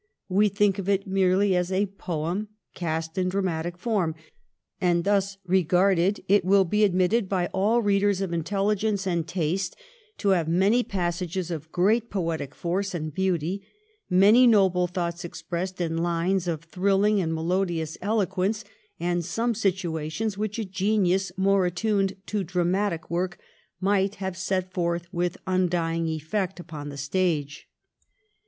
We think of it merely as a poem cast in dramatic form, and thus regarded it will be admitted by all readers of intelligence and taste to have many passages of great poetic force and beauty, many noble thoughts expressed in lines of thrilling and melodious eloquence, and some situations which a genius more attuned to dramatic work might have set forth with undying efiect upon the stage.